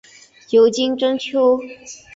尤金真蚓。